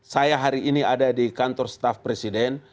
saya hari ini ada di kantor staff presiden